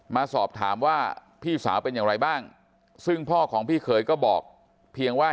มาสอบถามว่าพี่สาวเป็นอย่างไรบ้างซึ่งพ่อของพี่เขยก็บอกเพียงว่า